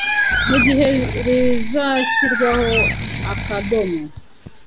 mu gihe rizashyirwaho akadomo